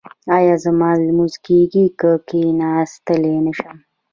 ایا زما لمونځ کیږي که کیناستلی نشم؟